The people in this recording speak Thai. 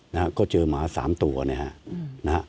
นะฮะก็เจอหมาสามตัวนะฮะ